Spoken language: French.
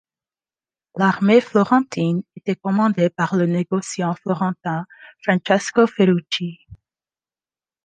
L'armée florentine était commandée par le négociant florentin Francesco Ferrucci.